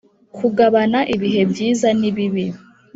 kugabana ibihe byiza nibibi,